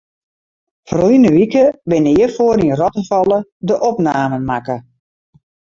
Ferline wike binne hjirfoar yn Rottefalle de opnamen makke.